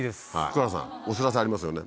福原さんお知らせありますよね。